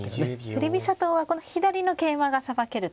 振り飛車党はこの左の桂馬がさばけると。